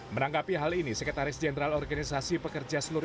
menanggapi hal ini sekretaris jenderal organisasi pekerja seluruh indonesia